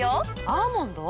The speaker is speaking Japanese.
アーモンド？